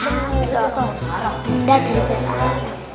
benda dalam bahasa arab